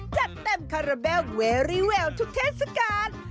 จัดเต็มคาราเบลเวรี่แววทุกเทศกาล